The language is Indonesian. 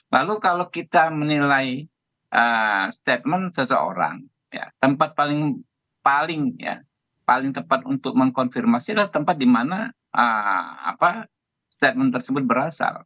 lalu kalau kita menilai statement seseorang tempat paling tepat untuk mengkonfirmasi adalah tempat di mana statement tersebut berasal